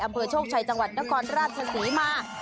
อำเคร่โชกชัยจังหวัดนครราชสนิมา